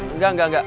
enggak enggak enggak